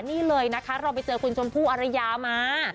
นี่เลยนะคะเราไปเจอคุณชมพู่อารยามา